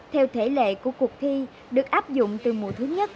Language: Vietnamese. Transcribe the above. theo thể lệ của cuộc thi được áp dụng từ mùa thứ nhất